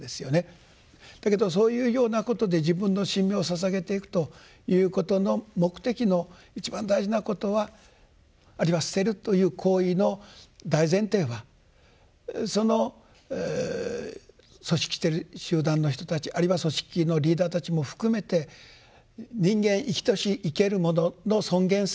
だけどそういうようなことで自分の身命をささげていくということの目的の一番大事なことはあるいは捨てるという行為の大前提はその組織的集団の人たちあるいは組織のリーダーたちも含めて人間生きとし生けるものの尊厳性絶対平等である。